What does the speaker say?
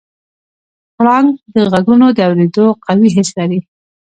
پړانګ د غږونو د اورېدو قوي حس لري.